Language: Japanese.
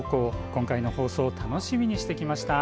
今回の放送を楽しみにしてきました。